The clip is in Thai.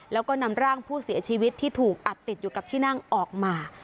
แล้วก็นำร่างผู้เสียชีวิตที่ถูกอัดติดอยู่กับที่นั่งออกมา